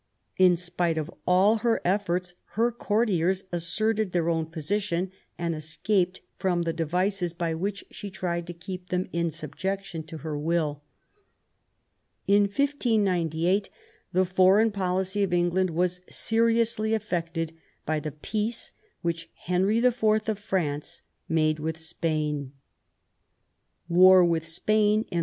In spite of all her efforts her courtiers asserted their own position and escaped from the devices by which she tried to keep them in subjection to her will. In 1598 the foreign policy of England was seriously affected by the peace which Henry IV. of France made with Spain. War with Spain, in THE NEW ENGLAND.